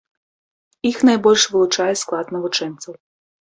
Іх найбольш вылучае склад навучэнцаў.